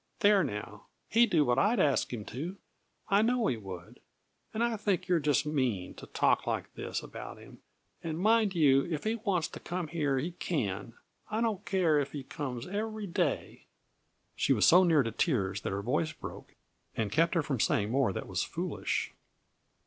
There, now! He'd do what I asked him to. I know he would. And I think you're just mean, to talk like this about him; and, mind you, if he wants to come here he can. I don't care if he comes every day!" She was so near to tears that her voice broke and kept her from saying more that was foolish.